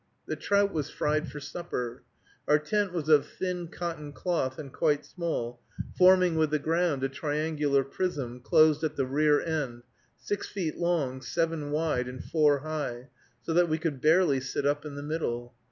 The trout was fried for supper. Our tent was of thin cotton cloth and quite small, forming with the ground a triangular prism closed at the rear end, six feet long, seven wide, and four high, so that we could barely sit up in the middle.